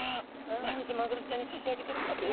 毎日マグロちゃんに差し上げてるこちら。